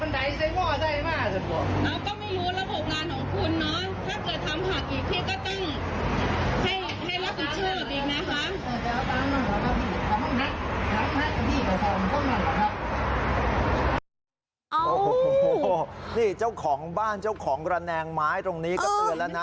โอ้โหนี่เจ้าของบ้านเจ้าของระแนงไม้ตรงนี้ก็เตือนแล้วนะ